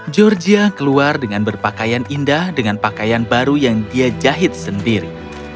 georgia keluar dengan berpakaian indah dengan pakaian baru yang dia jahit sendiri